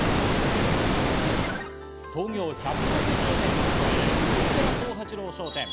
創業１６０年を超える大寺幸八郎商店。